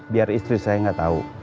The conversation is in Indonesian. biar istri saya gak tau